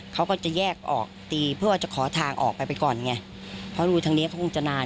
เราก็ได้รีบพาลูกไปโรงพยาบาล